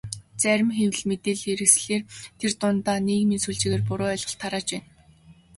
Зарим хэвлэл, мэдээллийн хэрэгслээр тэр дундаа нийгмийн сүлжээгээр буруу ойлголт тарааж байна.